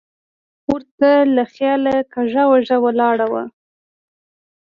ور ته له خیاله کوږه وږه ولاړه وه.